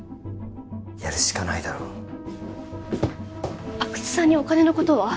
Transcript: やるしかないだろ阿久津さんにお金のことは？